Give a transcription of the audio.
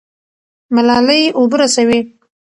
ملالۍ اوبه رسوي.